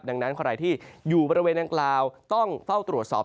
ดังนั้นใครที่อยู่บริเวณนางกล่าวต้องเฝ้าตรวจสอบ